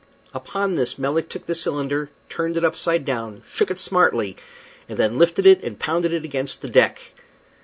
Upon this Melick took the cylinder, turned it upside down, shook it smartly, and then lifted it and pounded it against the deck.